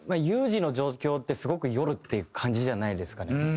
有事の状況ってすごく夜っていう感じじゃないですかね。